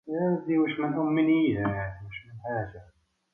مع أطيب الأمنيات